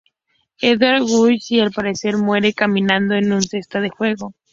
Edward huye y al parecer muere caminando en una cesta de fuego.